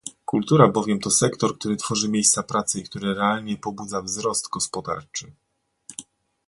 Kultura bowiem to sektor, który tworzy miejsca pracy i który realnie pobudza wzrost gospodarczy